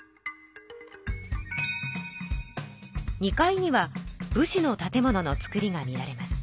２階には武士の建物の作りが見られます。